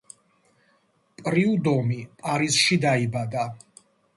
პრიუდომი პარიზში დაიბადა.